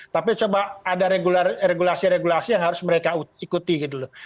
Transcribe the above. tapi coba ada regulasi regulasi yang harus mereka ikuti gitu loh